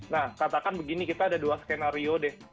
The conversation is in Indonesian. nah katakan begini kita ada dua skenario deh